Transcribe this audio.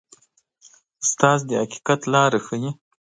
استاد د حقیقت لاره ښيي.